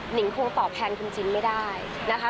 งคงตอบแทนคุณจินไม่ได้นะคะ